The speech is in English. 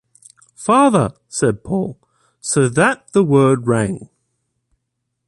“Father!” said Paul, so that the word rang.